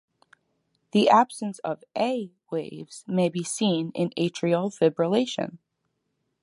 The absence of 'a' waves may be seen in atrial fibrillation.